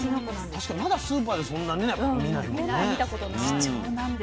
確かにまだスーパーでそんなね見ないもんね。